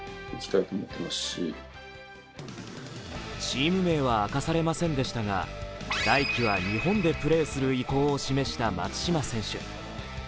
チーム名は明かされませんでしたが、来季は日本でプレーする意向を示した松島選手。